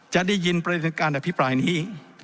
จะได้ยินประเด็นการอภิปรายนี้